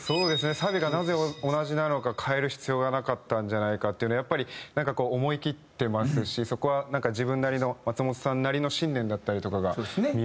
サビがなぜ同じなのか変える必要がなかったんじゃないかっていうのやっぱりなんかこう思いきってますしそこはなんか自分なりの松本さんなりの信念だったりとかが見えますね。